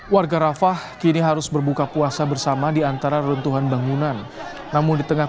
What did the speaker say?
warga rafah kini harus berbuka puasa bersama diantara reruntuhan bangunan namun di tengah